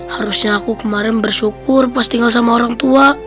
harusnya aku kemarin bersyukur pas tinggal sama orang tua